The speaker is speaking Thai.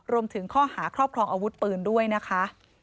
รวมถึงข้อหาครอบครองอาวุธปืนด้วยนะคะ